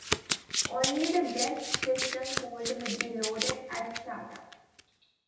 Only the "blessed" system folder would be loaded at startup.